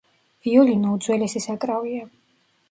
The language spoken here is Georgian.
ვიოლინო უძველესი საკრავია.